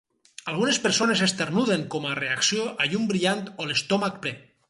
Algunes persones esternuden com a reacció a llum brillant o a l'estómac ple.